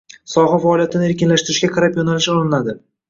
soha faoliyatini erkinlashtirishga qarab yo‘nalish olinadi